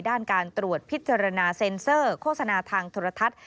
ด้านการตรวจพิจารณาเซ็นเซอร์โฆษณาทางโทรทัศน์